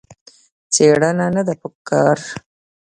څېړنه نه ده په کار.